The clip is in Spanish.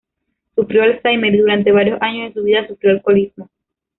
Sufrió Alzheimer y durante varios años de su vida sufrió alcoholismo.